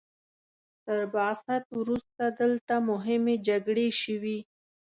تر بعثت وروسته دلته مهمې جګړې شوي.